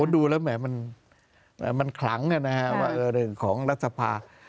ดูแล้วแหมมันคลังของรัฐสภาพ